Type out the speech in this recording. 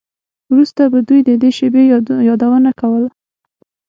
وروسته به دوی د دې شیبې یادونه کوله